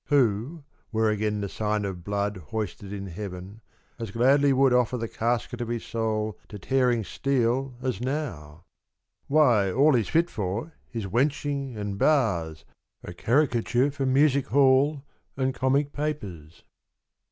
Who (were again the sign of blood Hoisted in heaven) as gladly would Offer the casket of his soul To tearing steel as now ;' Why all He's fit for is wenching and bars 66 The Soldiers. A caricature for music hall And comic papers.'